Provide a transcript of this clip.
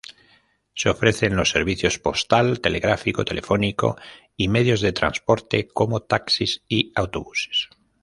Se ofrecen los servicios postal, telegráfico, telefónico,y medios de transporte como taxis y autobuses.